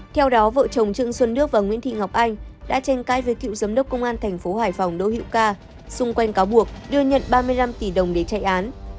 theo đó vợ chồng trương xuân đức và nguyễn thị ngọc anh đã tranh cai với cựu giám đốc công an tp hải phòng đỗ hữu ca xung quanh cáo buộc đưa nhận ba mươi năm tỷ đồng để chạy án